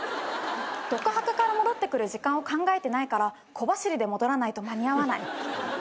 独白から戻ってくる時間を考えてないから小走りで戻らないと間に合わない。